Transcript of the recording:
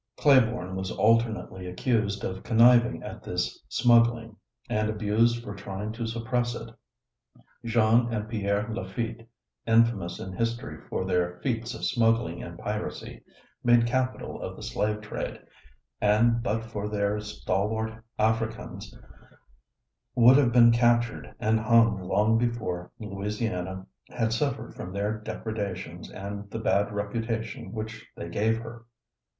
Claiborne was alternately accused of conniving at this smuggling and abused for trying to suppress it. Jean and Pierre Lafitte, infamous in history for their feats of smuggling and piracy, made capital of the slave trade, and but for their stalwart Africans would have been captured and hung long before Louisiana had suffered from their depredations and the bad reputation which they gave her.